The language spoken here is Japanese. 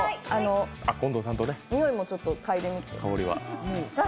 においもちょっとかいでみて。